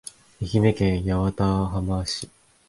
愛媛県八幡浜市